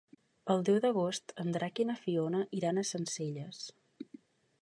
El deu d'agost en Drac i na Fiona iran a Sencelles.